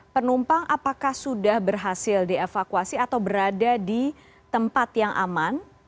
penumpang apakah sudah berhasil dievakuasi atau berada di tempat yang aman